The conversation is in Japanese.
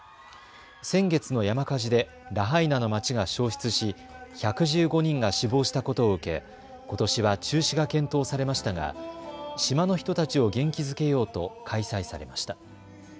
先月の山火事でラハイナの街が焼失し１１５人が死亡したことを受け、ことしは中止が検討されましたが島の人たちを元気づけようと開催されました。